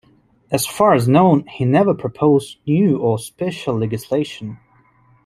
As far as known he never proposed new or special legislation.